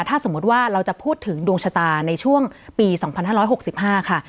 ถ้าสมมติว่าเราจะพูดถึงดวงชะตาในช่วงปีสองพันห้าร้อยหกสิบห้าค่ะ